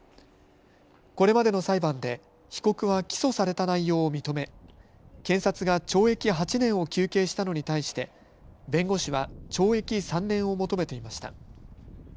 これまでの裁判で被告は起訴された内容を認め検察が懲役８年を求刑したのに対して弁護士は懲役３年を求めていました。